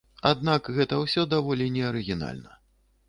Аднак гэта ўсё даволі неарыгінальна.